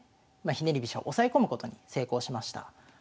ひねり飛車を押さえ込むことに成功しました。